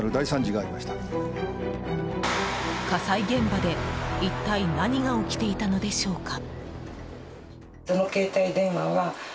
火災現場で一体何が起きていたのでしょうか。